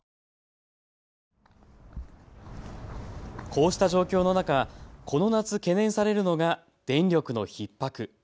こうした状況の中、この夏懸念されるのが電力のひっ迫。